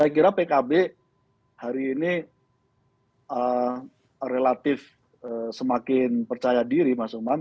saya kira pkb hari ini relatif semakin percaya diri mas umam